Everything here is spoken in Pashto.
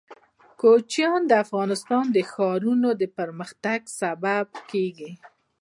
کوچیان د افغانستان د ښاري پراختیا سبب کېږي.